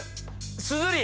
すずり。